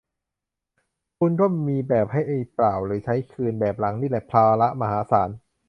ทุนก็มีแบบให้เปล่าหรือใช้คืน แบบหลังนี่แหละภาระมหาศาล